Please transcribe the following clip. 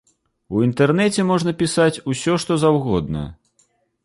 У інтэрнэце можна пісаць усё што заўгодна.